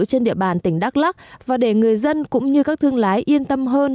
trên địa bàn tỉnh đắk lắc và để người dân cũng như các thương lái yên tâm hơn